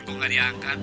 aku gak diangkat